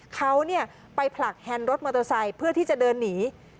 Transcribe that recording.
เขาไปผลักแฮนด์รถมอเตอร์ไซค์เพื่อที่จะเดินหนี